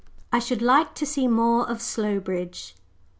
"I SHOULD LIKE TO SEE MORE OF SLOWBRIDGE."